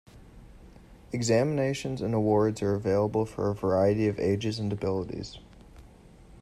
Examinations and awards are available for a variety of ages and abilities.